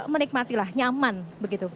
menikmatilah nyaman begitu